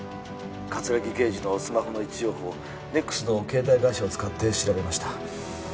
☎葛城刑事のスマホの位置情報をＮＥＸの携帯会社を使って調べました